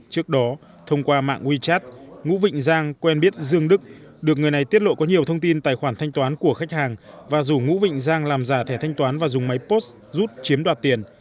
trước đó thông qua mạng wechat ngũ vịnh giang quen biết dương đức được người này tiết lộ có nhiều thông tin tài khoản thanh toán của khách hàng và rủ ngũ vịnh giang làm giả thẻ thanh toán và dùng máy post giúp chiếm đoạt tiền